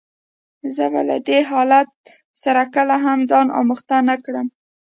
زه به له دې حالت سره کله هم ځان آموخته نه کړم.